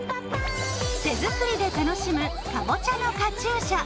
手作りで楽しむかぼちゃのカチューシャ。